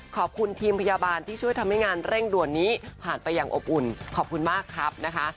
ขอบคุณทีมพยาบาลที่ช่วยทำให้งานเร่งด่วนนี้ผ่านไปอย่างอบอุ่นขอบคุณมากครับนะคะ